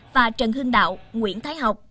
và trần hương đạo nguyễn thái học